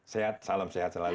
sehat salam sehat selalu